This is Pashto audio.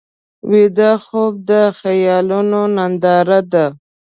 ویده خوب د خیالونو ننداره ده